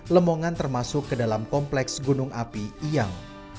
lemongan termasuk ke dalam kompleks gunung api iyang